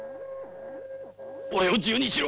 俺を自由にしろ！